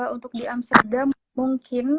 untuk di amsterdam mungkin